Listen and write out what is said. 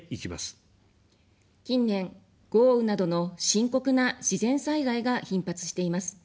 近年、豪雨などの深刻な自然災害が頻発しています。